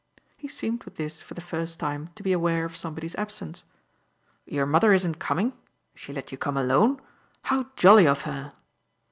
He seemed, with this, for the first time, to be aware of somebody's absence. "Your mother isn't coming? She let you come alone? How jolly of her!"